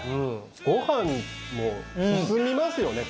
ご飯も進みますよね